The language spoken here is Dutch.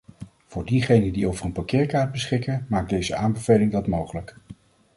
Voor diegenen die over een parkeerkaart beschikken maakt deze aanbeveling dat mogelijk.